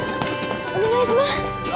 お願いします